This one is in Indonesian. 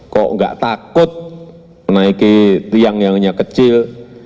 kok enggak takut menaiki tiang yang hanya kecil